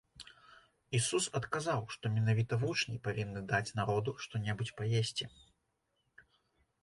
Ісус адказаў, што менавіта вучні павінны даць народу што-небудзь паесці.